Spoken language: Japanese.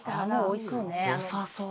よさそう。